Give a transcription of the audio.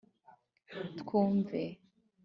twumve”